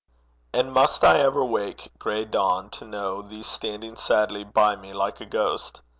And must I ever wake, gray dawn, to know Thee standing sadly by me like a ghost?